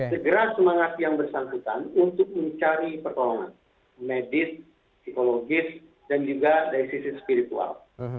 segera semangat yang bersangkutan untuk mencari pertolongan medis psikologis dan juga dari sisi spiritual